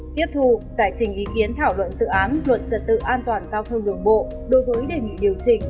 tiếp thu giải trình ý kiến thảo luận dự án luật trật tự an toàn giao thông đường bộ đối với đề nghị điều chỉnh